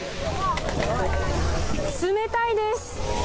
冷たいです。